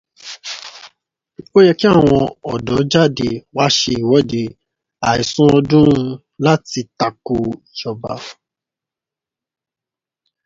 Ó ye kí àwọn ọ̀dọ́ jáde wá ṣe ìwọ́de àìṣùn ọdún láti tako ìjọba.